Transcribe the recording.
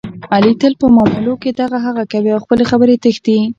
علي تل په معاملو کې دغه هغه کوي، له خپلې خبرې تښتي.